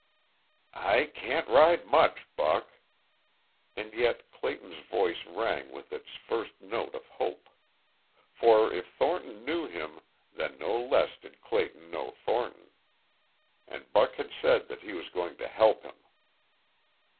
"I can't ride much, Buck." And yet Clayton's voice rang with its first note of hope. For if Thornton knew him, then no less did Clayton know Thornton. And Buck had said that he was going to help him.